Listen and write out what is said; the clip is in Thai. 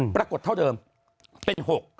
ปรากฏเท่าเดิมเป็น๖